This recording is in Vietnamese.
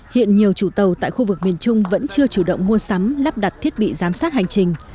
hiện nhiều chủ tàu tại khu vực miền trung vẫn chưa chủ động mua sắm lắp đặt thiết bị giám sát hành trình